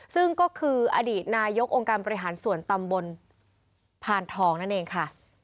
ซึ่งก็คืออดีตนายกองค์การบริหารส่วนตำบลพานทองนั่นเองค่ะ